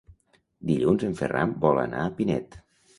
Dilluns en Ferran vol anar a Pinet.